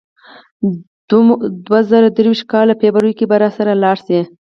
د دوه زره درویشت کال فبرورۍ کې به راسره لاړ شې.